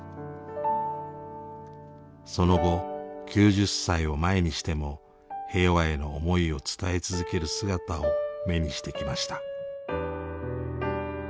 その後９０歳を前にしても平和への思いを伝え続ける姿を目にしてきました。